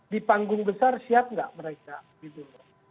di panggung besar siap nggak mereka gitu loh